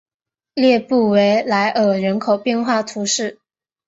列布维莱尔人口变化图示